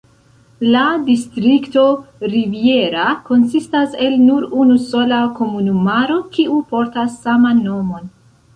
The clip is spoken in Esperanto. La distrikto Riviera konsistas el nur unu sola komunumaro, kiu portas saman nomon.